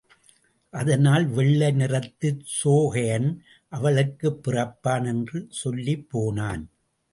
அதனால் வெள்ளை நிறத்துச் சோகையன் அவளுக்குப் பிறப்பான் என்று சொல்லிப்போனான்.